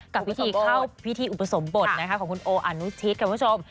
กับวิธีเข้าวิธีอุปสมบทของคุณโออนุชิกขอบคุณผู้ชม